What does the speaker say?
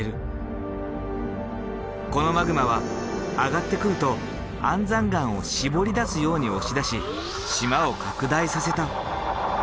このマグマは上がってくると安山岩をしぼり出すように押し出し島を拡大させた。